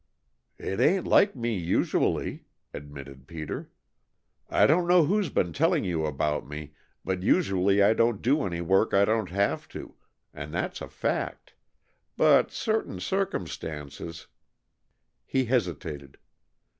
"It ain't like me usually," admitted Peter. "I don't know who's been telling you about me, but usually I don't do any work I don't have to, and that's a fact, but certain circumstances " he hesitated.